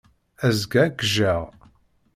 Azekka, ad k-jjeɣ.